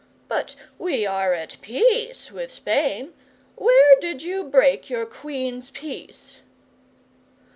But we are at peace with Spain. Where did you break your Queen's peace?"